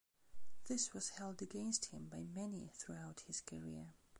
This was held against him by many throughout his career.